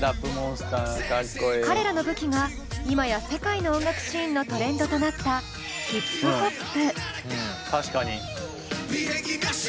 彼らの武器が今や世界の音楽シーンのトレンドとなったヒップホップ。